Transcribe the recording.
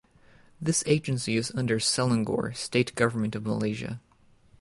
This agency is under Selangor state government of Malaysia.